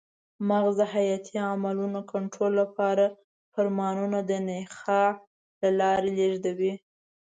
مغز د حیاتي عملونو کنټرول لپاره فرمانونه د نخاع له لارې لېږدوي.